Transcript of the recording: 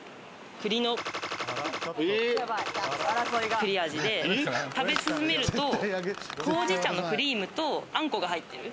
栗のが栗味で食べ進めると、ほうじ茶のクリームと、あんこが入ってる。